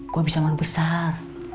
gue bisa maen besar